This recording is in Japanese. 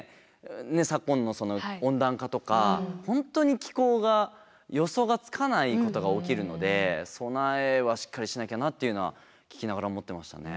昨今の温暖化とか本当に気候が予想がつかないことが起きるので備えはしっかりしなきゃなっていうのは聞きながら思ってましたね。